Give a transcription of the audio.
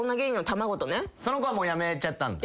その子はもうやめちゃったんだ。